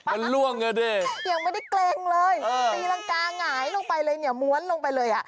มันล่วงอ่ะดิยังไม่ได้เกร็งเลยตีรังกาหงายลงไปเลยเนี่ยม้วนลงไปเลยอ่ะ